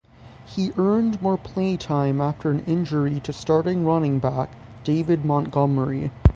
He earned more playtime after an injury to starting running back David Montgomery.